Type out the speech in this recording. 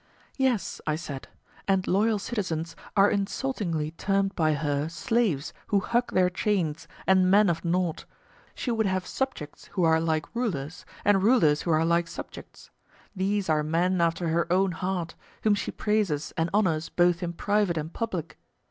Yes, I said; and loyal citizens are insultingly termed by her slaves who hug their chains and men of naught; she would have subjects who are like rulers, and rulers who are like subjects: these are men after her own heart, whom she praises and honours both in private and public.